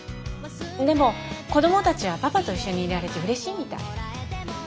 でも子どもたちはパパと一緒にいられてうれしいみたい。